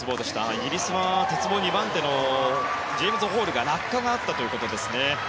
イギリスは鉄棒２番手のジェームズ・ホールが落下があったということです。